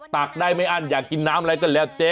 ตักได้ไม่อั้นอยากกินน้ำอะไรก็แล้วเจ๊